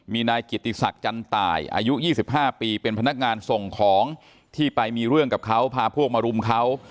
มีนายกิติศักดิ์จันต่ายอายุ๒๕ปีเป็นพนักงานส่งของที่ไปมีเรื่องกับเขาพาพวกมารุมเขา